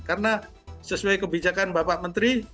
karena sesuai kebijakan bapak menteri